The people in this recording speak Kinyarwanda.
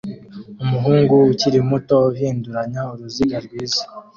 Umuhungu ukiri muto uhinduranya uruziga rwiza